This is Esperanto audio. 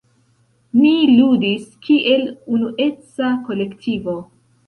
Ni ludis kiel unueca kolektivo.